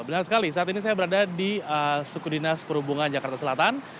benar sekali saat ini saya berada di suku dinas perhubungan jakarta selatan